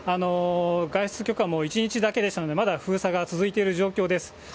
外出許可も１日だけでしたので、まだ封鎖が続いている状況です。